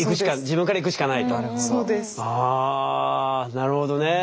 なるほどね。